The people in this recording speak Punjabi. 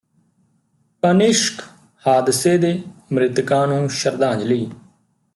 ਕਨਿਸ਼ਕ ਹਾਦਸੇ ਦੇ ਮ੍ਰਿਤਕਾਂ ਨੂੰ ਸ਼ਰਧਾਂਜਲੀ